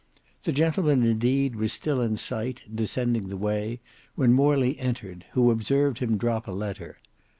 The gentleman indeed was still in sight, descending the way, when Morley entered, who observed him drop a letter.